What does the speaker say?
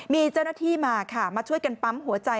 มีเจ้าหน้าที่มาค่ะมาช่วยกันปั๊มหัวใจ